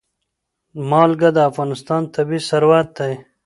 نمک د افغانستان طبعي ثروت دی.